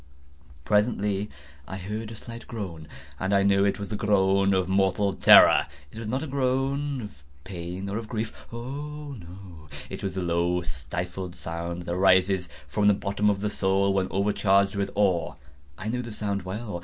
Presently I heard a slight groan, and I knew it was the groan of mortal terror. It was not a groan of pain or of grief—oh, no!—it was the low stifled sound that arises from the bottom of the soul when overcharged with awe. I knew the sound well.